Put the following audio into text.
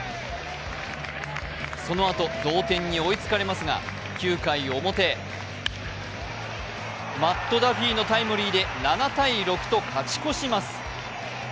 そのあと、同点に追いつかれますが９回表、マット・ダフィーのタイムリーで７−６と勝ち越します。